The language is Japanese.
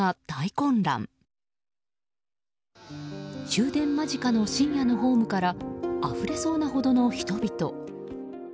終電間近の深夜のホームからあふれそうなほどの人々。